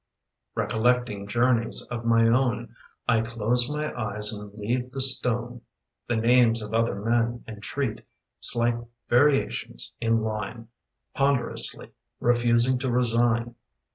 Recollecting journeys of my own, I close my eyes and leave the stone. The names of other men entreat — Slight variations in line Ponderously refusing to resign.